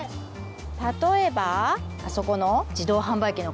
例えばあそこの自動販売機の陰とか。